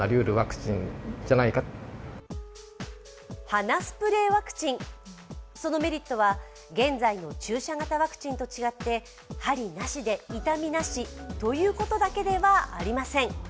鼻スプレーワクチンそのメリットは現在の注射型ワクチンと違って針なしで痛みなしということだけではありません。